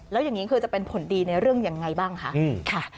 แล้วอย่างนี้คือจะเป็นผลดีในเรื่องยังไงบ้างคะ